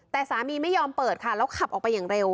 แต่สามีไม่ยอมเปิดค่ะแล้วขับออกไปอย่างเร็ว